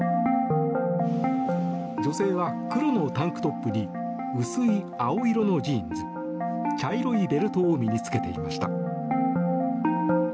女性は黒のタンクトップに薄い青色のジーンズ茶色いベルトを身に着けていました。